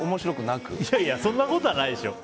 いやいやそんなことはないでしょ。